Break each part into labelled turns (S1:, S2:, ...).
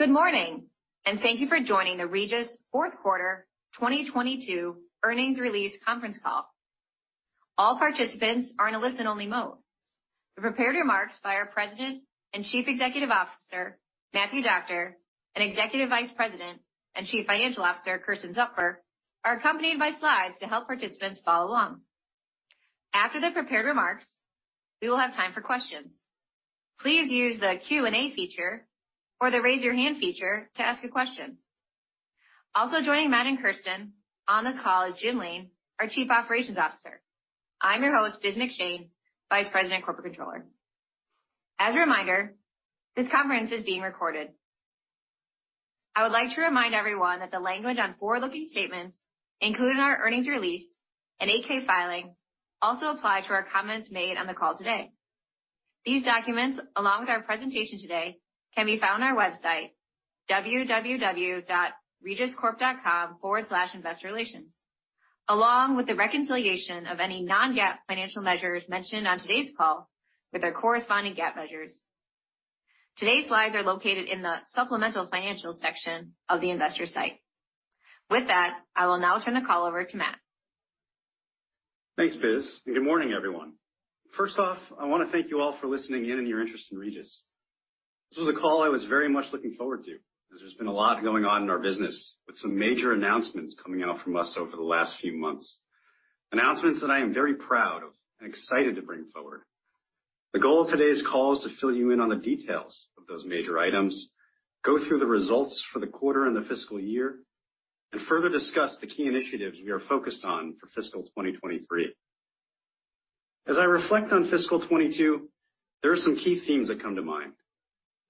S1: Good morning, and thank you for joining the Regis Fourth Quarter 2022 Earnings Release Conference Call. All participants are in a listen-only mode. The prepared remarks by our President and Chief Executive Officer, Matthew Doctor, and Executive Vice President and Chief Financial Officer, Kirsten Zuppler, are accompanied by slides to help participants follow along. After the prepared remarks, we will have time for questions. Please use the Q&A feature or the raise your hand feature to ask a question. Also joining Matt and Kirsten on this call is Jim Lane, our Chief Operations Officer. I'm your host, Biz McShane, Vice President Corporate Controller. As a reminder, this conference is being recorded. I would like to remind everyone that the language on forward-looking statements included in our earnings release and 10-K filing also apply to our comments made on the call today. These documents, along with our presentation today, can be found on our website, www.regiscorp.com/investorrelations, along with the reconciliation of any non-GAAP financial measures mentioned on today's call with their corresponding GAAP measures. Today's slides are located in the supplemental financial section of the investor site. With that, I will now turn the call over to Matthew.
S2: Thanks, Biz, and good morning, everyone. First off, I wanna thank you all for listening in and your interest in Regis. This was a call I was very much looking forward to as there's been a lot going on in our business, with some major announcements coming out from us over the last few months, announcements that I am very proud of and excited to bring forward. The goal of today's call is to fill you in on the details of those major items, go through the results for the quarter and the fiscal year, and further discuss the key initiatives we are focused on for fiscal 2023. As I reflect on fiscal 2022, there are some key themes that come to mind.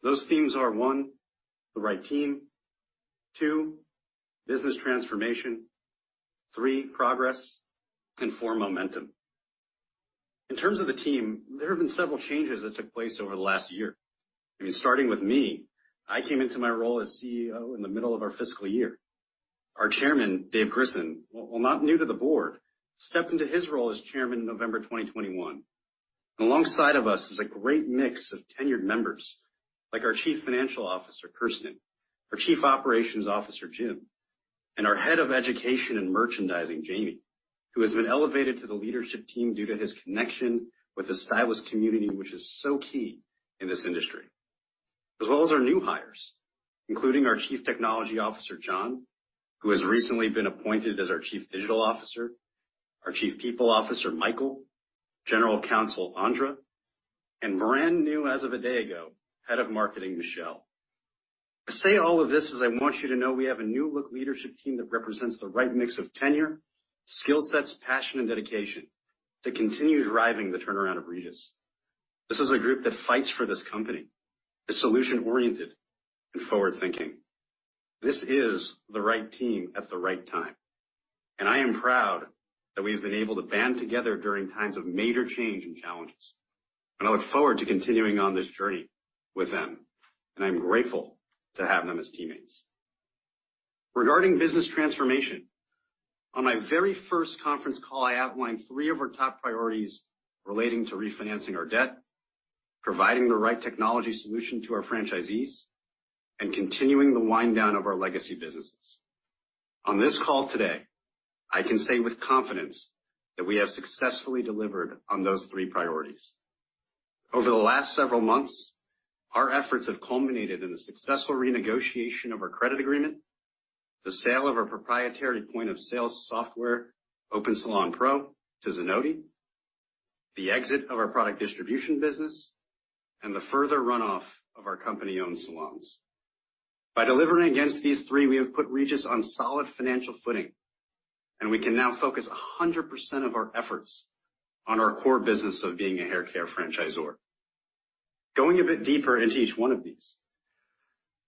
S2: Those themes are, one, the right team. Two, business transformation. Three, progress, and four, momentum. In terms of the team, there have been several changes that took place over the last year. I mean, starting with me, I came into my role as CEO in the middle of our fiscal year. Our Chairman, Dave Grissen, while not new to the board, stepped into his role as Chairman in November 2021. Alongside of us is a great mix of tenured members, like our Chief Financial Officer, Kersten, our Chief Operations Officer, Jim, and our Head of Education and Merchandising, Jamie, who has been elevated to the leadership team due to his connection with the stylist community, which is so key in this industry. As well as our new hires, including our Chief Technology Officer, John, who has recently been appointed as our Chief Digital Officer, our Chief People Officer, Michael, General Counsel, Amanda, and brand new as of a day ago, Head of Marketing, Michelle. I say all of this as I want you to know we have a new-look leadership team that represents the right mix of tenure, skill sets, passion and dedication to continue driving the turnaround of Regis. This is a group that fights for this company, is solution-oriented and forward-thinking. This is the right team at the right time, and I am proud that we have been able to band together during times of major change and challenges. I look forward to continuing on this journey with them, and I'm grateful to have them as teammates. Regarding business transformation, on my very first conference call, I outlined three of our top priorities relating to refinancing our debt, providing the right technology solution to our franchisees, and continuing the wind down of our legacy businesses. On this call today, I can say with confidence that we have successfully delivered on those three priorities. Over the last several months, our efforts have culminated in the successful renegotiation of our credit agreement, the sale of our proprietary point of sales software, Open Salon Pro, to Zenoti, the exit of our product distribution business, and the further runoff of our company-owned salons. By delivering against these three, we have put Regis on solid financial footing, and we can now focus 100% of our efforts on our core business of being a haircare franchisor. Going a bit deeper into each one of these.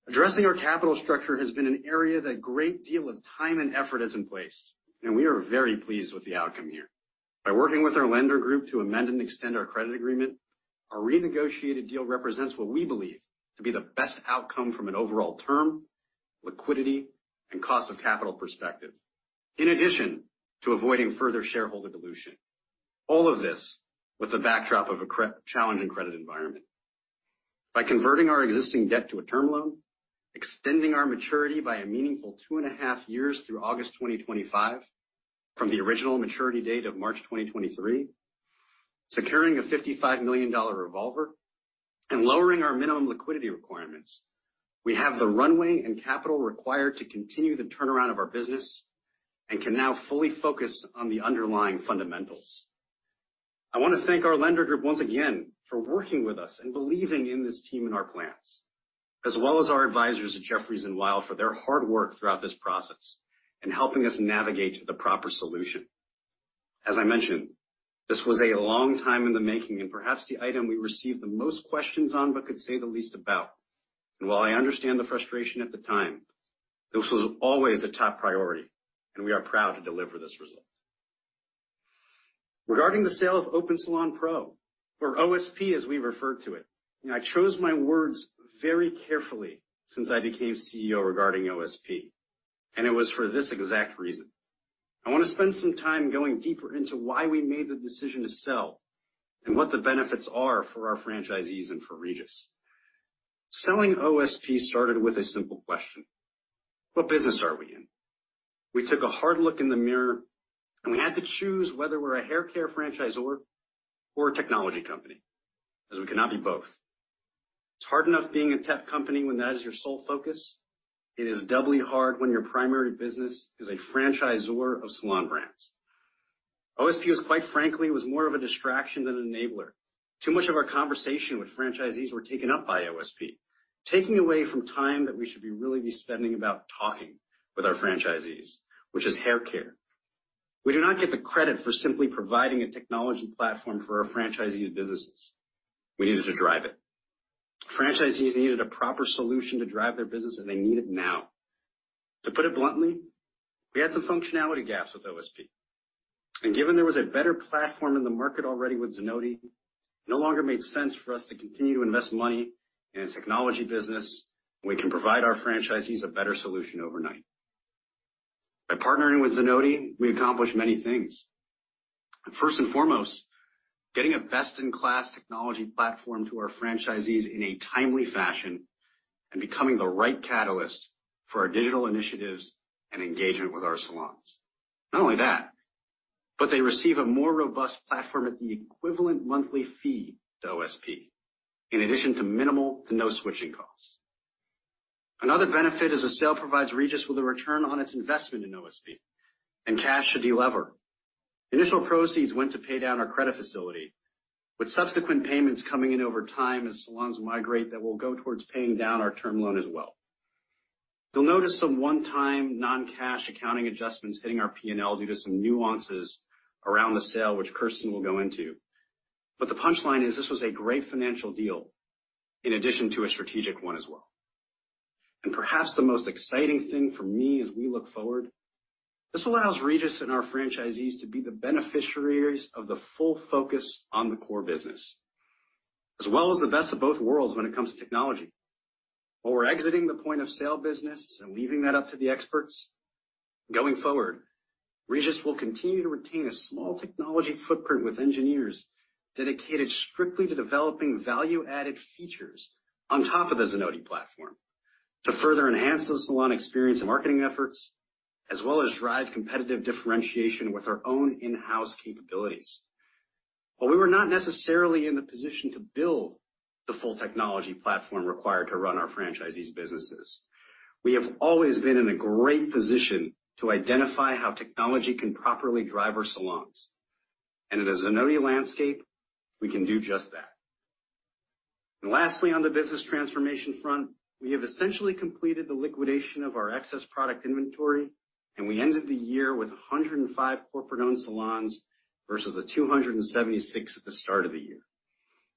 S2: Addressing our capital structure has been an area that a great deal of time and effort is in place, and we are very pleased with the outcome here. By working with our lender group to amend and extend our credit agreement, our renegotiated deal represents what we believe to be the best outcome from an overall term, liquidity, and cost of capital perspective. In addition to avoiding further shareholder dilution. All of this with the backdrop of a challenging credit environment. By converting our existing debt to a term loan, extending our maturity by a meaningful two and a half years through August 2025, from the original maturity date of March 2023, securing a $55 million revolver, and lowering our minimum liquidity requirements. We have the runway and capital required to continue the turnaround of our business and can now fully focus on the underlying fundamentals. I wanna thank our lender group once again for working with us and believing in this team and our plans, as well as our advisors at Jefferies and Weil for their hard work throughout this process and helping us navigate to the proper solution. As I mentioned, this was a long time in the making and perhaps the item we received the most questions on, but could say the least about. While I understand the frustration at the time, this was always a top priority, and we are proud to deliver this result. Regarding the sale of Open Salon Pro or OSP as we refer to it. Now, I chose my words very carefully since I became CEO regarding OSP, and it was for this exact reason. I want to spend some time going deeper into why we made the decision to sell and what the benefits are for our franchisees and for Regis. Selling OSP started with a simple question: What business are we in? We took a hard look in the mirror, and we had to choose whether we're a hair care franchisor or a technology company, as we cannot be both. It's hard enough being a tech company when that is your sole focus. It is doubly hard when your primary business is a franchisor of salon brands. OSP was quite frankly, was more of a distraction than an enabler. Too much of our conversation with franchisees was taken up by OSP, taking away from time that we should be really spending about talking with our franchisees, which is hair care. We do not get the credit for simply providing a technology platform for our franchisees businesses. We needed to drive it. Franchisees needed a proper solution to drive their business, and they need it now. To put it bluntly, we had some functionality gaps with OSP, and given there was a better platform in the market already with Zenoti, no longer made sense for us to continue to invest money in a technology business. We can provide our franchisees a better solution overnight. By partnering with Zenoti, we accomplish many things. First and foremost, getting a best in class technology platform to our franchisees in a timely fashion and becoming the right catalyst for our digital initiatives and engagement with our salons. Not only that, but they receive a more robust platform at the equivalent monthly fee to OSP, in addition to minimal to no switching costs. Another benefit is a sale provides Regis with a return on its investment in OSP and cash to delever. Initial proceeds went to pay down our credit facility, with subsequent payments coming in over time as salons migrate that will go towards paying down our term loan as well. You'll notice some one-time non-cash accounting adjustments hitting our P&L due to some nuances around the sale, which Kersten will go into. The punchline is this was a great financial deal in addition to a strategic one as well. Perhaps the most exciting thing for me as we look forward, this allows Regis and our franchisees to be the beneficiaries of the full focus on the core business, as well as the best of both worlds when it comes to technology. While we're exiting the point of sale business and leaving that up to the experts, going forward, Regis will continue to retain a small technology footprint with engineers dedicated strictly to developing value-added features on top of the Zenoti platform to further enhance the salon experience and marketing efforts, as well as drive competitive differentiation with our own in-house capabilities. While we were not necessarily in the position to build the full technology platform required to run our franchisees businesses, we have always been in a great position to identify how technology can properly drive our salons, and in a Zenoti landscape, we can do just that. Lastly, on the business transformation front, we have essentially completed the liquidation of our excess product inventory, and we ended the year with 105 corporate-owned salons versus the 276 at the start of the year.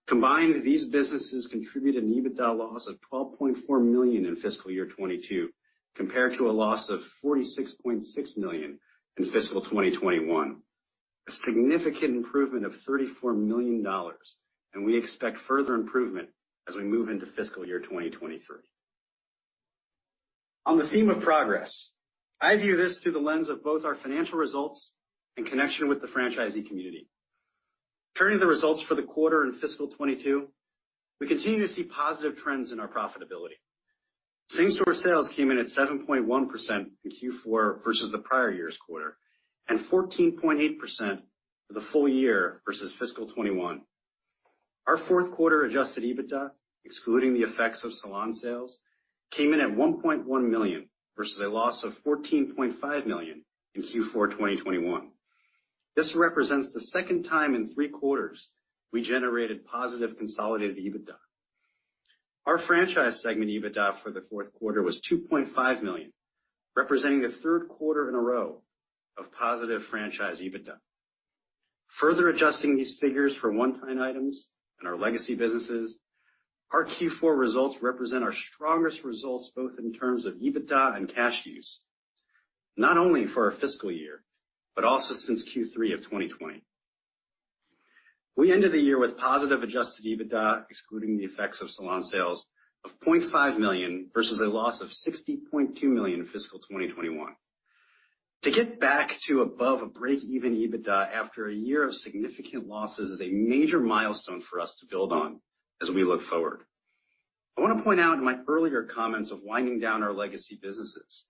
S2: Combined, these businesses contribute an EBITDA loss of $12.4 million in fiscal year 2022, compared to a loss of $46.6 million in fiscal 2021. A significant improvement of $34 million, and we expect further improvement as we move into fiscal year 2023. On the theme of progress, I view this through the lens of both our financial results in connection with the franchisee community. Turning the results for the quarter in fiscal 2022, we continue to see positive trends in our profitability. Same-store sales came in at 7.1% in Q4 versus the prior year's quarter, and 14.8% for the full year versus fiscal 2021. Our fourth quarter adjusted EBITDA, excluding the effects of salon sales, came in at $1.1 million versus a loss of $14.5 million in Q4 2021. This represents the second time in three quarters we generated positive consolidated EBITDA. Our franchise segment EBITDA for the fourth quarter was $2.5 million, representing the third quarter in a row of positive franchise EBITDA. Further adjusting these figures for one-time items and our legacy businesses, our Q4 results represent our strongest results, both in terms of EBITDA and cash use, not only for our fiscal year, but also since Q3 of 2020. We ended the year with positive adjusted EBITDA, excluding the effects of salon sales, of $0.5 million versus a loss of $60.2 million in fiscal 2021. To get back to above a break-even EBITDA after a year of significant losses is a major milestone for us to build on as we look forward. I wanna point out in my earlier comments of winding down our legacy businesses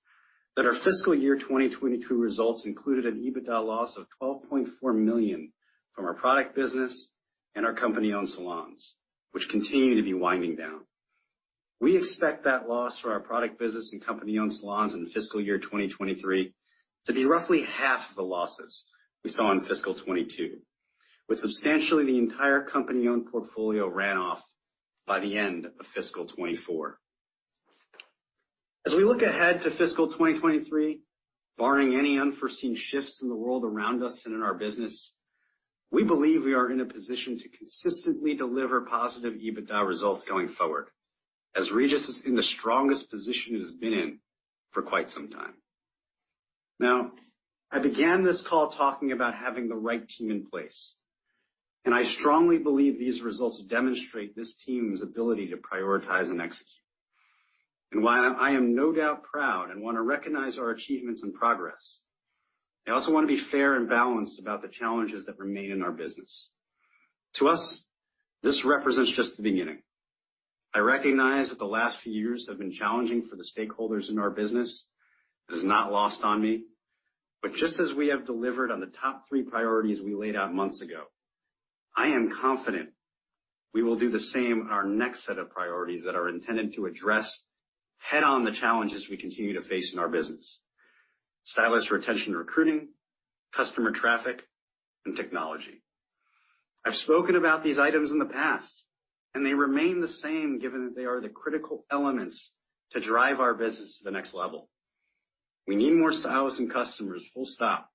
S2: that our fiscal year 2022 results included an EBITDA loss of $12.4 million from our product business and our company-owned salons, which continue to be winding down. We expect that loss for our product business and company-owned salons in fiscal year 2023 to be roughly half the losses we saw in fiscal 2022, with substantially the entire company-owned portfolio ran off by the end of fiscal 2024. As we look ahead to fiscal 2023, barring any unforeseen shifts in the world around us and in our business, we believe we are in a position to consistently deliver positive EBITDA results going forward, as Regis is in the strongest position it has been in for quite some time. Now, I began this call talking about having the right team in place, and I strongly believe these results demonstrate this team's ability to prioritize and execute. While I am no doubt proud and want to recognize our achievements and progress, I also want to be fair and balanced about the challenges that remain in our business. To us, this represents just the beginning. I recognize that the last few years have been challenging for the stakeholders in our business. It is not lost on me. Just as we have delivered on the top three priorities we laid out months ago, I am confident we will do the same in our next set of priorities that are intended to address head-on the challenges we continue to face in our business. Stylist retention and recruiting, customer traffic, and technology. I've spoken about these items in the past, and they remain the same given that they are the critical elements to drive our business to the next level. We need more stylists and customers, full stop.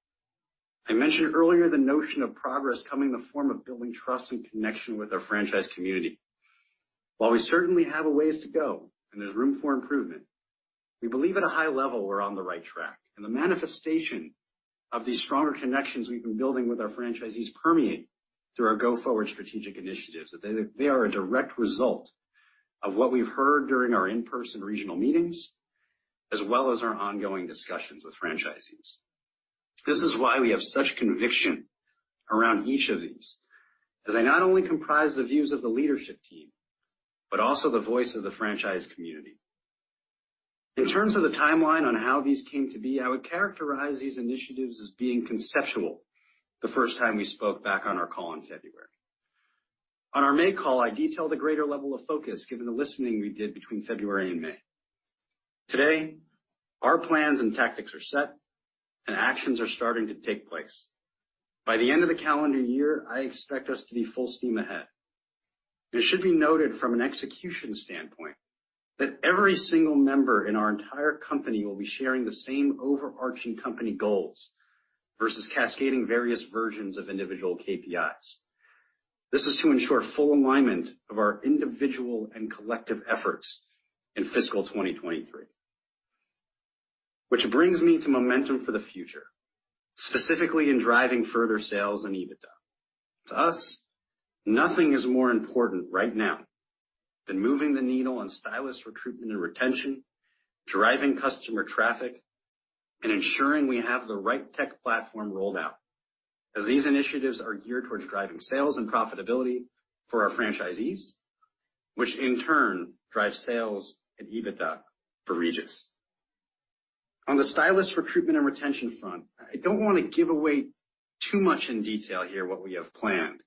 S2: I mentioned earlier the notion of progress coming in the form of building trust and connection with our franchise community. While we certainly have a ways to go, and there's room for improvement, we believe at a high level we're on the right track. The manifestation of these stronger connections we've been building with our franchisees permeate through our go-forward strategic initiatives. That they are a direct result of what we've heard during our in-person regional meetings, as well as our ongoing discussions with franchisees. This is why we have such conviction around each of these, as they not only comprise the views of the leadership team, but also the voice of the franchise community. In terms of the timeline on how these came to be, I would characterize these initiatives as being conceptual the first time we spoke back on our call in February. On our May call, I detailed a greater level of focus given the listening we did between February and May. Today, our plans and tactics are set, and actions are starting to take place. By the end of the calendar year, I expect us to be full steam ahead. It should be noted from an execution standpoint that every single member in our entire company will be sharing the same overarching company goals versus cascading various versions of individual KPIs. This is to ensure full alignment of our individual and collective efforts in fiscal 2023. Which brings me to momentum for the future, specifically in driving further sales and EBITDA. To us, nothing is more important right now than moving the needle on stylist recruitment and retention, driving customer traffic, and ensuring we have the right tech platform rolled out, as these initiatives are geared towards driving sales and profitability for our franchisees, which in turn drives sales and EBITDA for Regis. On the stylist recruitment and retention front, I don't wanna give away too much in detail here what we have planned,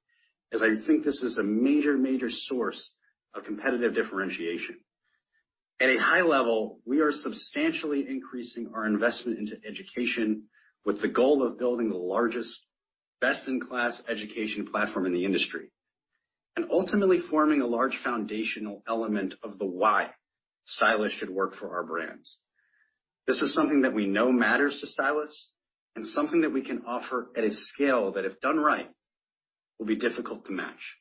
S2: as I think this is a major source of competitive differentiation. At a high level, we are substantially increasing our investment into education with the goal of building the largest, best-in-class education platform in the industry. Ultimately, forming a large foundational element of the why stylists should work for our brands. This is something that we know matters to stylists and something that we can offer at a scale that, if done right, will be difficult to match.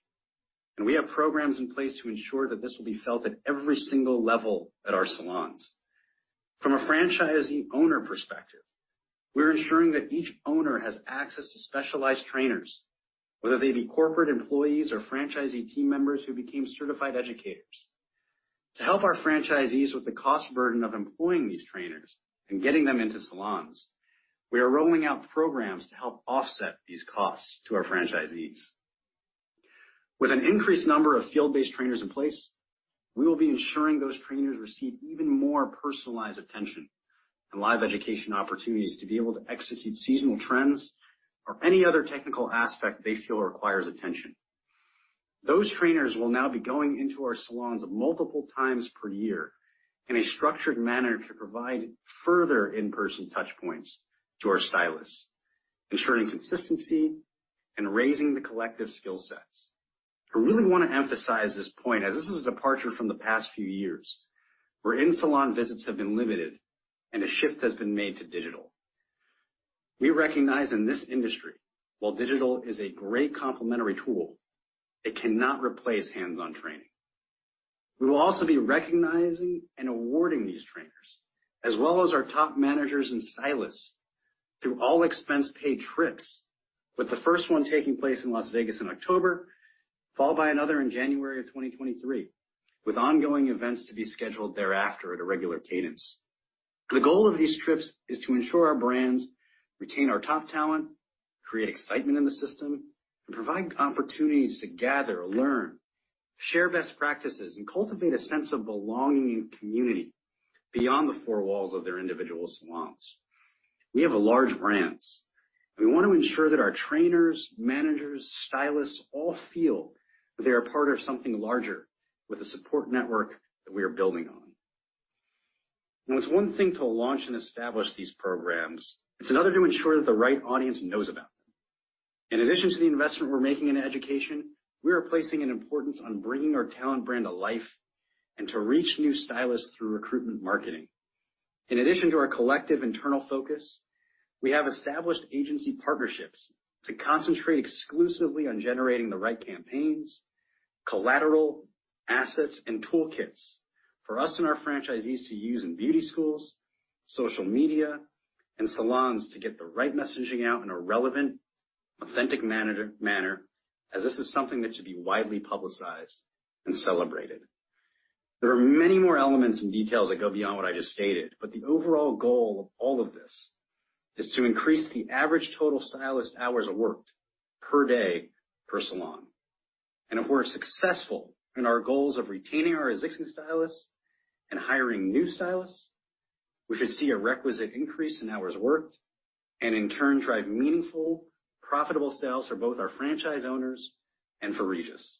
S2: We have programs in place to ensure that this will be felt at every single level at our salons. From a franchisee owner perspective, we're ensuring that each owner has access to specialized trainers, whether they be corporate employees or franchisee team members who became certified educators. To help our franchisees with the cost burden of employing these trainers and getting them into salons, we are rolling out programs to help offset these costs to our franchisees. With an increased number of field-based trainers in place, we will be ensuring those trainers receive even more personalized attention and live education opportunities to be able to execute seasonal trends or any other technical aspect they feel requires attention. Those trainers will now be going into our salons multiple times per year in a structured manner to provide further in-person touch points to our stylists, ensuring consistency and raising the collective skill sets. I really wanna emphasize this point, as this is a departure from the past few years, where in-salon visits have been limited and a shift has been made to digital. We recognize in this industry, while digital is a great complementary tool, it cannot replace hands-on training. We will also be recognizing and awarding these trainers, as well as our top managers and stylists, through all-expense paid trips, with the first one taking place in Las Vegas in October, followed by another in January 2023, with ongoing events to be scheduled thereafter at a regular cadence. The goal of these trips is to ensure our brands retain our top talent, create excitement in the system, and provide opportunities to gather, learn, share best practices, and cultivate a sense of belonging and community beyond the four walls of their individual salons. We have a large brands. We want to ensure that our trainers, managers, stylists all feel that they are part of something larger with the support network that we are building on. Now, it's one thing to launch and establish these programs. It's another to ensure that the right audience knows about them. In addition to the investment we're making in education, we are placing an importance on bringing our talent brand to life and to reach new stylists through recruitment marketing. In addition to our collective internal focus, we have established agency partnerships to concentrate exclusively on generating the right campaigns, collateral, assets, and toolkits for us and our franchisees to use in beauty schools, social media, and salons to get the right messaging out in a relevant authentic manner, as this is something that should be widely publicized and celebrated. There are many more elements and details that go beyond what I just stated, but the overall goal of all of this is to increase the average total stylist hours worked per day per salon. If we're successful in our goals of retaining our existing stylists and hiring new stylists, we should see a requisite increase in hours worked and in turn drive meaningful, profitable sales for both our franchise owners and for Regis,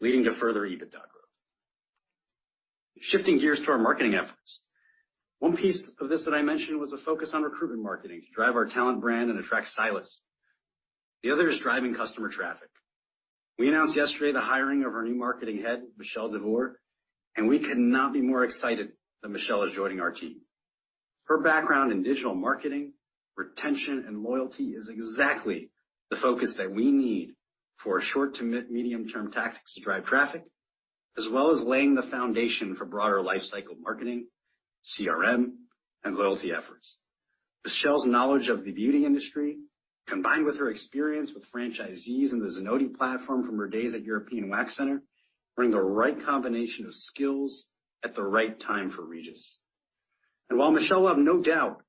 S2: leading to further EBITDA growth. Shifting gears to our marketing efforts. One piece of this that I mentioned was a focus on recruitment marketing to drive our talent brand and attract stylists. The other is driving customer traffic. We announced yesterday the hiring of our new marketing head, Michelle DeVore, and we could not be more excited that Michelle is joining our team. Her background in digital marketing, retention, and loyalty is exactly the focus that we need for short to mid, medium-term tactics to drive traffic, as well as laying the foundation for broader life cycle marketing, CRM, and loyalty efforts. Michelle's knowledge of the beauty industry, combined with her experience with franchisees in the Zenoti platform from her days at European Wax Center, bring the right combination of skills at the right time for Regis. While Michelle will have no doubt,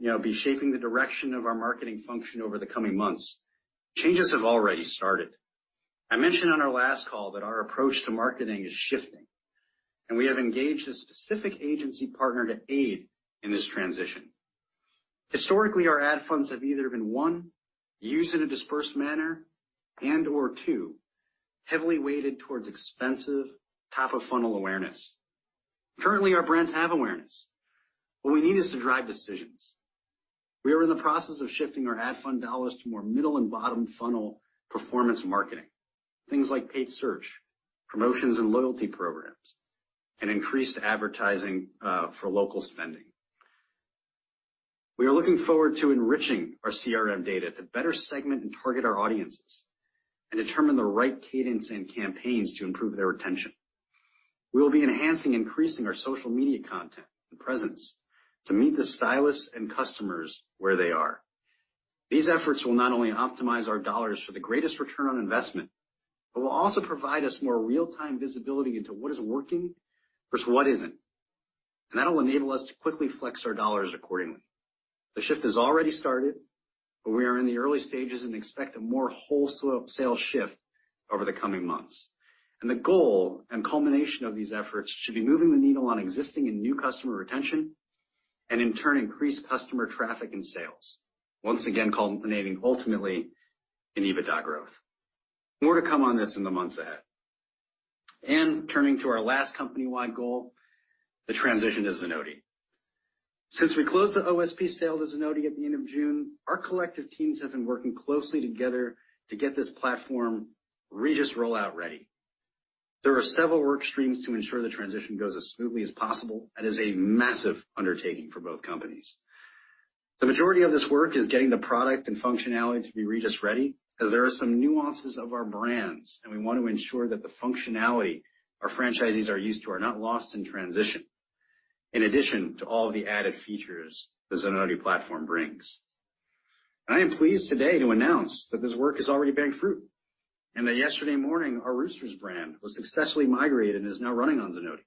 S2: you know, be shaping the direction of our marketing function over the coming months, changes have already started. I mentioned on our last call that our approach to marketing is shifting, and we have engaged a specific agency partner to aid in this transition. Historically, our ad funds have either been, one, used in a dispersed manner and/or, two, heavily weighted towards expensive top-of-funnel awareness. Currently, our brands have awareness. What we need is to drive decisions. We are in the process of shifting our ad fund dollars to more middle and bottom funnel performance marketing, things like paid search, promotions and loyalty programs, and increased advertising for local spending. We are looking forward to enriching our CRM data to better segment and target our audiences and determine the right cadence and campaigns to improve their retention. We will be enhancing, increasing our social media content and presence to meet the stylists and customers where they are. These efforts will not only optimize our dollars for the greatest return on investment, but will also provide us more real-time visibility into what is working versus what isn't. That'll enable us to quickly flex our dollars accordingly. The shift has already started, but we are in the early stages and expect a more wholesale shift over the coming months. The goal and culmination of these efforts should be moving the needle on existing and new customer retention and in turn, increase customer traffic and sales. Once again, culminating ultimately in EBITDA growth. More to come on this in the months ahead. Turning to our last company-wide goal, the transition to Zenoti. Since we closed the OSP sale to Zenoti at the end of June, our collective teams have been working closely together to get this platform Regis rollout ready. There are several work streams to ensure the transition goes as smoothly as possible, and is a massive undertaking for both companies. The majority of this work is getting the product and functionality to be Regis ready, as there are some nuances of our brands, and we want to ensure that the functionality our franchisees are used to are not lost in transition. In addition to all the added features the Zenoti platform brings, I am pleased today to announce that this work has already borne fruit, and that yesterday morning, our Roosters brand was successfully migrated and is now running on Zenoti.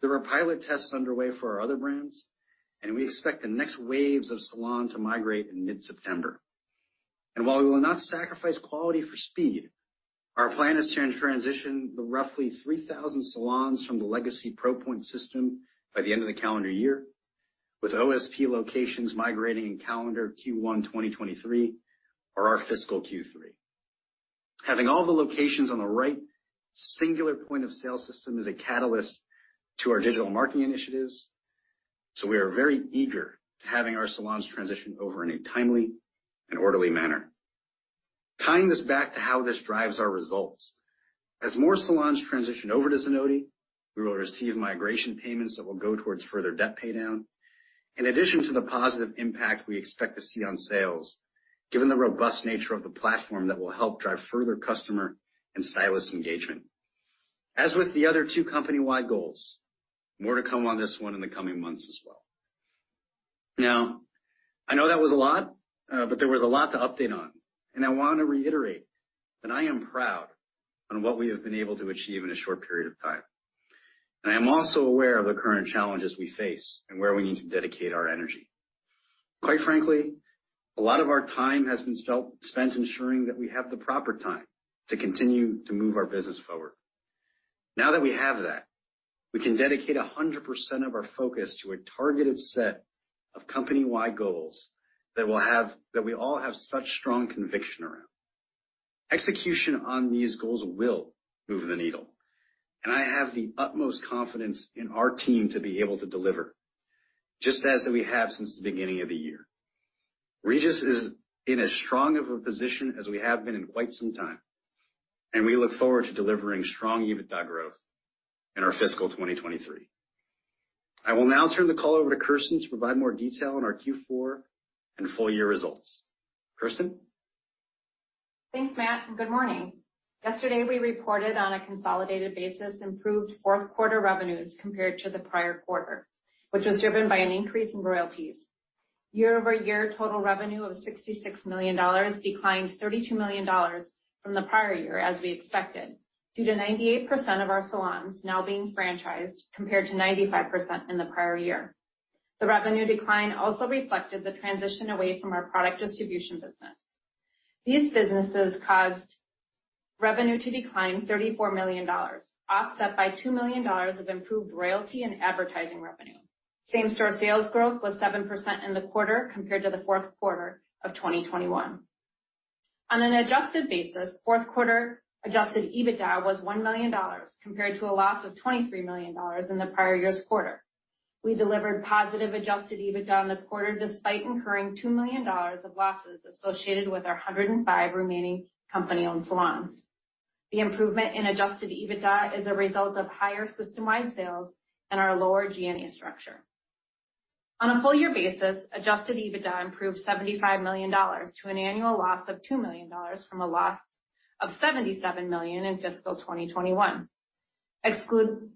S2: There are pilot tests underway for our other brands, and we expect the next waves of salons to migrate in mid-September. While we will not sacrifice quality for speed, our plan is to transition the roughly 3,000 salons from the legacy ProPoint system by the end of the calendar year, with OSP locations migrating in calendar Q1 2023 or our fiscal Q3. Having all the locations on the right singular point-of-sale system is a catalyst to our digital marketing initiatives, so we are very eager to have our salons transition over in a timely and orderly manner. Tying this back to how this drives our results, as more salons transition over to Zenoti, we will receive migration payments that will go towards further debt paydown, in addition to the positive impact we expect to see on sales, given the robust nature of the platform that will help drive further customer and stylist engagement. As with the other two company-wide goals, more to come on this one in the coming months as well. Now, I know that was a lot, but there was a lot to update on, and I want to reiterate that I am proud on what we have been able to achieve in a short period of time. I am also aware of the current challenges we face and where we need to dedicate our energy. Quite frankly, a lot of our time has been spent ensuring that we have the proper time to continue to move our business forward. Now that we have that, we can dedicate 100% of our focus to a targeted set of company-wide goals that we all have such strong conviction around. Execution on these goals will move the needle, and I have the utmost confidence in our team to be able to deliver just as we have since the beginning of the year. Regis is in as strong of a position as we have been in quite some time, and we look forward to delivering strong EBITDA growth in our fiscal 2023. I will now turn the call over to Kersten to provide more detail on our Q4 and full year results. Kersten?
S3: Thanks, Matt, and good morning. Yesterday, we reported on a consolidated basis improved fourth quarter revenues compared to the prior quarter, which was driven by an increase in royalties. Year-over-year total revenue of $66 million declined $32 million from the prior year, as we expected, due to 98% of our salons now being franchised, compared to 95% in the prior year. The revenue decline also reflected the transition away from our product distribution business. These businesses caused revenue to decline $34 million, offset by $2 million of improved royalty and advertising revenue. Same-store sales growth was 7% in the quarter compared to the fourth quarter of 2021. On an adjusted basis, fourth quarter adjusted EBITDA was $1 million, compared to a loss of $23 million in the prior year's quarter. We delivered positive adjusted EBITDA in the quarter despite incurring $2 million of losses associated with our 105 remaining company-owned salons. The improvement in adjusted EBITDA is a result of higher system-wide sales and our lower G&A structure. On a full year basis, adjusted EBITDA improved $75 million to an annual loss of $2 million from a loss of $77 million in fiscal 2021. Excluding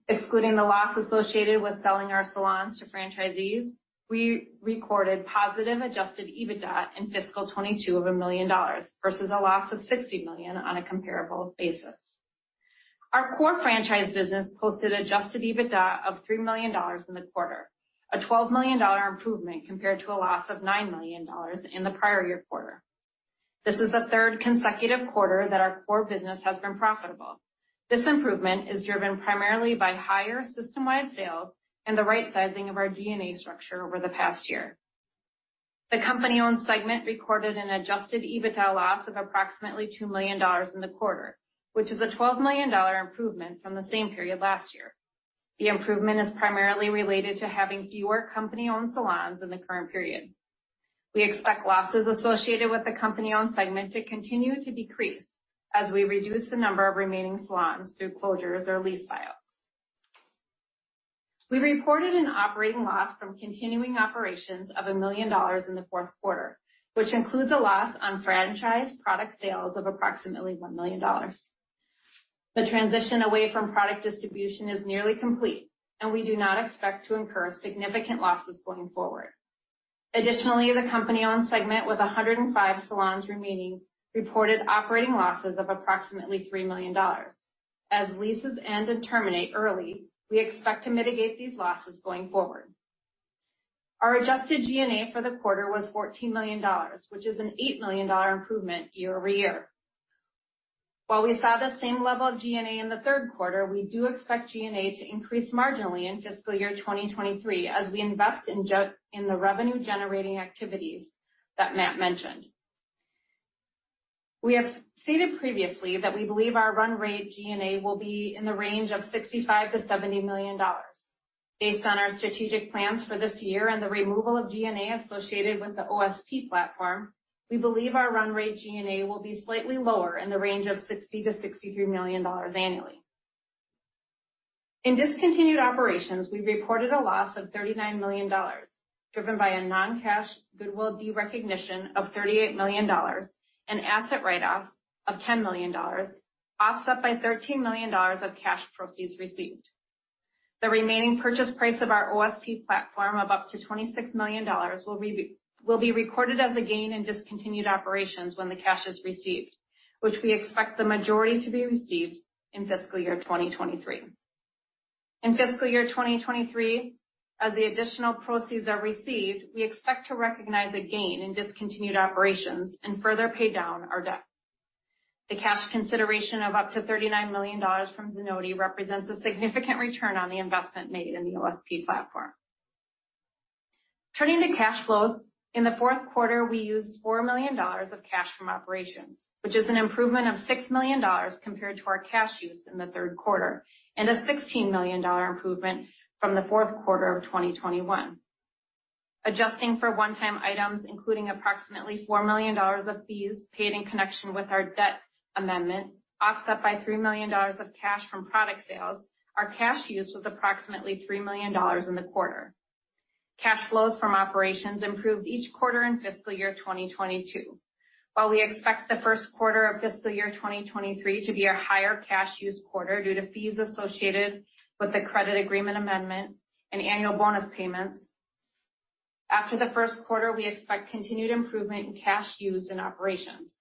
S3: the loss associated with selling our salons to franchisees, we recorded positive adjusted EBITDA in fiscal 2022 of $1 million versus a loss of $60 million on a comparable basis. Our core franchise business posted adjusted EBITDA of $3 million in the quarter, a $12 million improvement compared to a loss of $9 million in the prior year quarter. This is the third consecutive quarter that our core business has been profitable. This improvement is driven primarily by higher system-wide sales and the right sizing of our G&A structure over the past year. The company-owned segment recorded an adjusted EBITDA loss of approximately $2 million in the quarter, which is a $12 million improvement from the same period last year. The improvement is primarily related to having fewer company-owned salons in the current period. We expect losses associated with the company-owned segment to continue to decrease as we reduce the number of remaining salons through closures or lease buyouts. We reported an operating loss from continuing operations of $1 million in the fourth quarter, which includes a loss on franchise product sales of approximately $1 million. The transition away from product distribution is nearly complete, and we do not expect to incur significant losses going forward. Additionally, the company-owned segment with 105 salons remaining reported operating losses of approximately $3 million. As leases end and terminate early, we expect to mitigate these losses going forward. Our adjusted G&A for the quarter was $14 million, which is an $8 million improvement year-over-year. While we saw the same level of G&A in the third quarter, we do expect G&A to increase marginally in fiscal year 2023 as we invest in the revenue generating activities that Matt mentioned. We have stated previously that we believe our run rate G&A will be in the range of $65 million-$70 million. Based on our strategic plans for this year and the removal of G&A associated with the OSP platform, we believe our run rate G&A will be slightly lower in the range of $60-$63 million annually. In discontinued operations, we reported a loss of $39 million, driven by a non-cash goodwill derecognition of $38 million and asset write-offs of $10 million, offset by $13 million of cash proceeds received. The remaining purchase price of our OSP platform of up to $26 million will be recorded as a gain in discontinued operations when the cash is received, which we expect the majority to be received in fiscal year 2023. In fiscal year 2023, as the additional proceeds are received, we expect to recognize a gain in discontinued operations and further pay down our debt. The cash consideration of up to $39 million from Zenoti represents a significant return on the investment made in the OSP platform. Turning to cash flows. In the fourth quarter, we used $4 million of cash from operations, which is an improvement of $6 million compared to our cash use in the third quarter, and a $16 million improvement from the fourth quarter of 2021. Adjusting for one-time items, including approximately $4 million of fees paid in connection with our debt amendment, offset by $3 million of cash from product sales, our cash use was approximately $3 million in the quarter. Cash flows from operations improved each quarter in fiscal year 2022. While we expect the first quarter of fiscal year 2023 to be a higher cash use quarter due to fees associated with the credit agreement amendment and annual bonus payments, after the first quarter, we expect continued improvement in cash use in operations.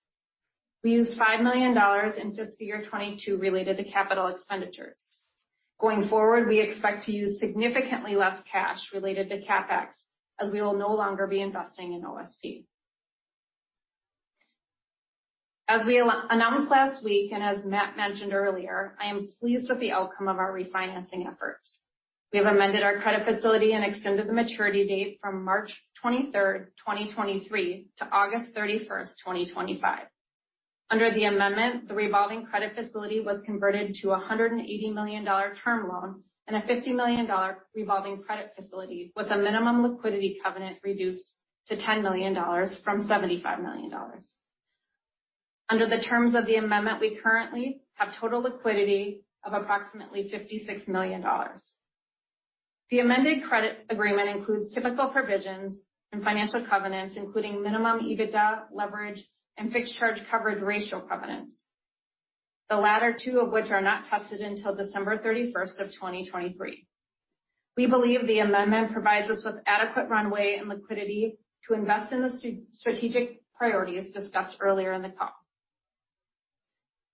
S3: We used $5 million in fiscal year 2022 related to capital expenditures. Going forward, we expect to use significantly less cash related to CapEx as we will no longer be investing in OSP. As we announced last week, and as Matt mentioned earlier, I am pleased with the outcome of our refinancing efforts. We have amended our credit facility and extended the maturity date from March 23, 2023 to August 31, 2025. Under the amendment, the revolving credit facility was converted to a $180 million term loan and a $50 million revolving credit facility with a minimum liquidity covenant reduced to $10 million from $75 million. Under the terms of the amendment, we currently have total liquidity of approximately $56 million. The amended credit agreement includes typical provisions and financial covenants, including minimum EBITDA leverage and fixed charge coverage ratio covenants, the latter two of which are not tested until December 31, 2023. We believe the amendment provides us with adequate runway and liquidity to invest in the strategic priorities discussed earlier in the call.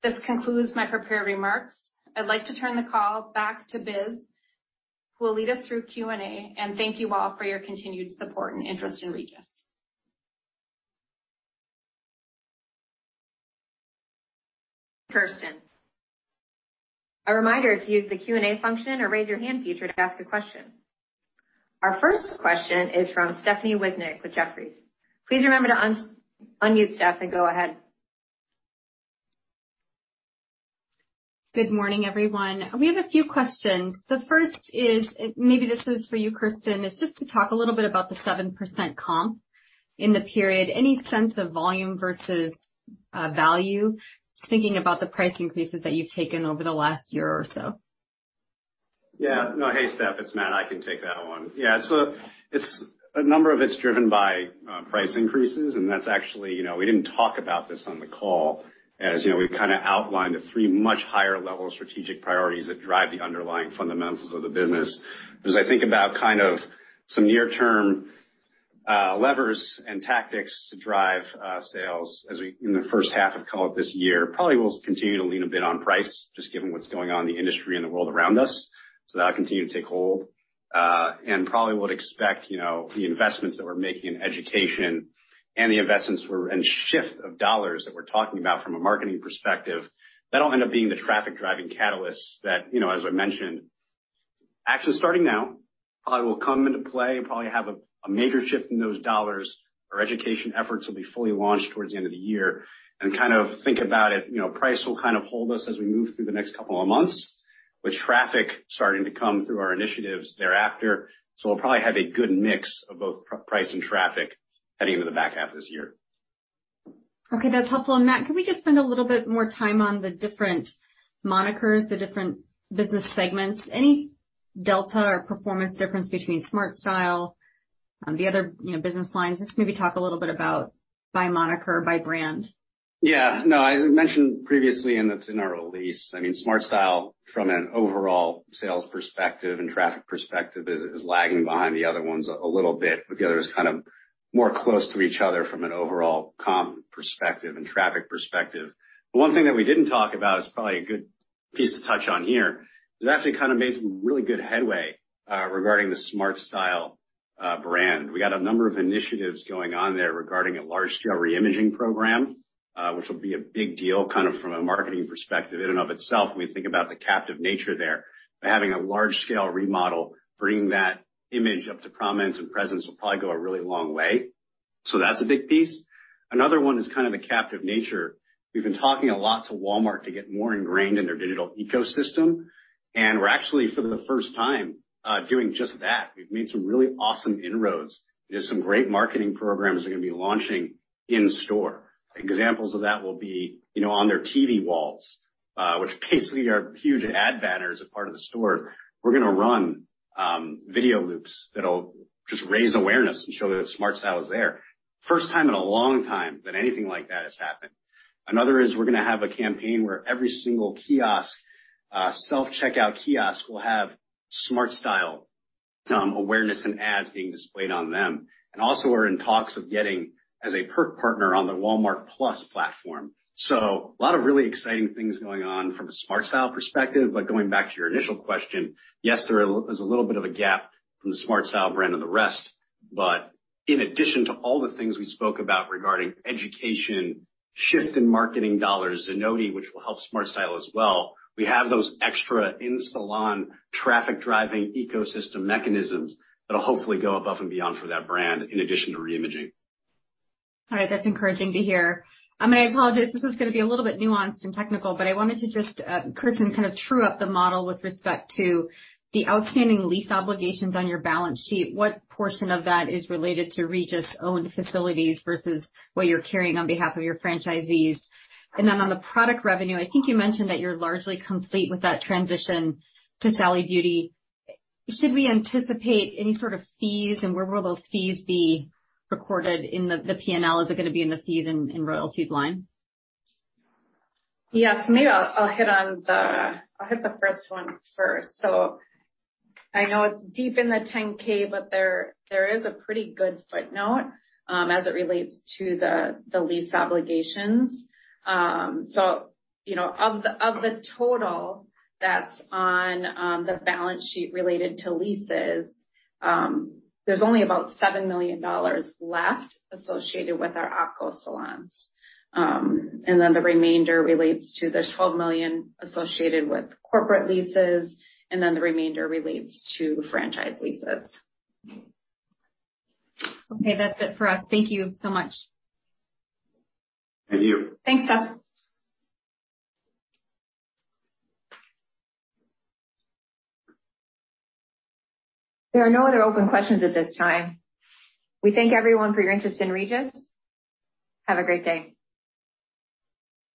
S3: This concludes my prepared remarks. I'd like to turn the call back to Biz, who will lead us through Q&A. Thank you all for your continued support and interest in Regis.
S1: A reminder to use the Q&A function or raise your hand feature to ask a question. Our first question is from Stephanie Wissink with Jefferies. Please remember to unmute, Steph, and go ahead.
S4: Good morning, everyone. We have a few questions. The first is, maybe this is for you, Kirsten. It's just to talk a little bit about the 7% comp in the period. Any sense of volume versus value, just thinking about the price increases that you've taken over the last year or so.
S2: Yeah. No. Hey, Steph. It's Matt. I can take that one. Yeah. It's a number of it's driven by price increases, and that's actually, you know, we didn't talk about this on the call. As you know, we kinda outlined the three much higher level strategic priorities that drive the underlying fundamentals of the business. Because I think about kind of some near term levers and tactics to drive sales in the first half of, call it, this year, probably we'll continue to lean a bit on price, just given what's going on in the industry and the world around us. That'll continue to take hold. Probably would expect, you know, the investments that we're making in education and the shift of dollars that we're talking about from a marketing perspective. That'll end up being the traffic driving catalysts that, you know, as I mentioned, action starting now, probably will come into play, probably have a major shift in those dollars. Our education efforts will be fully launched towards the end of the year. Kind of think about it, you know, price will kind of hold us as we move through the next couple of months, with traffic starting to come through our initiatives thereafter. We'll probably have a good mix of both price and traffic heading into the back half of this year.
S4: Okay. That's helpful. Matthew, can we just spend a little bit more time on the different monikers, the different business segments? Any delta or performance difference between SmartStyle and the other, you know, business lines? Just maybe talk a little bit about by moniker, by brand.
S2: Yeah. No, as I mentioned previously, and it's in our release, I mean, SmartStyle from an overall sales perspective and traffic perspective is lagging behind the other ones a little bit. The other is kind of more close to each other from an overall comp perspective and traffic perspective. One thing that we didn't talk about is probably a good piece to touch on here is we actually kinda made some really good headway regarding the SmartStyle brand. We got a number of initiatives going on there regarding a large scale reimaging program, which will be a big deal kind of from a marketing perspective in and of itself when we think about the captive nature there. Having a large scale remodel, bringing that image up to prominence and presence will probably go a really long way. That's a big piece. Another one is kind of the captive nature. We've been talking a lot to Walmart to get more ingrained in their digital ecosystem, and we're actually for the first time, doing just that. We've made some really awesome inroads. There's some great marketing programs we're gonna be launching in store. Examples of that will be, you know, on their TV walls, which basically are huge ad banners as part of the store. We're gonna run, video loops that'll just raise awareness and show that SmartStyle is there. First time in a long time that anything like that has happened. Another is we're gonna have a campaign where every single kiosk, self-checkout kiosk will have SmartStyle, awareness and ads being displayed on them. We're in talks of getting as a perk partner on their Walmart+ platform. A lot of really exciting things going on from a SmartStyle perspective. Going back to your initial question, yes, there's a little bit of a gap from the SmartStyle brand and the rest. In addition to all the things we spoke about regarding education, shift in marketing dollars, Zenoti, which will help SmartStyle as well, we have those extra in-salon traffic driving ecosystem mechanisms that'll hopefully go above and beyond for that brand in addition to reimaging.
S4: All right. That's encouraging to hear. I'm gonna apologize. This is gonna be a little bit nuanced and technical, but I wanted to just, Kersten, kind of true up the model with respect to the outstanding lease obligations on your balance sheet. What portion of that is related to Regis owned facilities versus what you're carrying on behalf of your franchisees? And then on the product revenue, I think you mentioned that you're largely complete with that transition to Sally Beauty. Should we anticipate any sort of fees and where will those fees be recorded in the P&L? Is it gonna be in the fees and royalties line?
S3: Yes. Maybe I'll hit the first one first. I know it's deep in the 10-K, but there is a pretty good footnote as it relates to the lease obligations. You know, of the total that's on the balance sheet related to leases, there's only about $7 million left associated with our OPCO salons. And then the remainder relates to the $12 million associated with corporate leases, and then the remainder relates to franchise leases.
S4: Okay. That's it for us. Thank you so much.
S2: Thank you.
S3: Thanks, Steph.
S1: There are no other open questions at this time. We thank everyone for your interest in Regis. Have a great day.